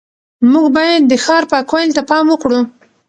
موږ باید د ښار پاکوالي ته پام وکړو